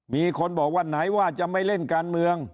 มีคนบอกว่าไหนว่าจะไม่เล่นการเมือง